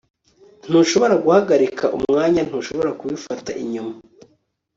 Ntushobora guhagarika umwanya ntushobora kubifata inyuma